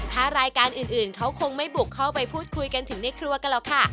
ถ้ารายการอื่นเขาคงไม่บุกเข้าไปพูดคุยกันถึงในครัวกันหรอกค่ะ